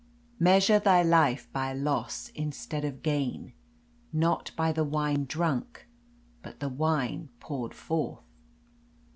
Measure thy life by loss instead of gain, Not by the wine drunk, but the wine poured forth.